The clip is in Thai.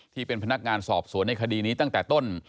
ที่เป็นพนักงานสอบสวนในคดีนี้ตั้งแต่ต้น